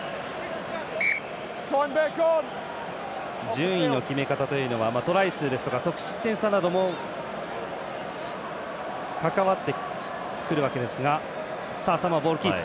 順位の決め方はトライ数ですとか得失点差なども関わってくるわけですがサモア、ボール、キープ。